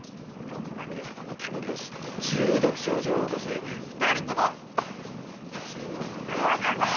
毒まみれのこの煙を吸って中毒症状を起こし２人とも死ぬってわけさ！